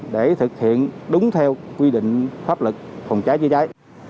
để thực hiện đúng theo quy định pháp lực phòng cháy chữa cháy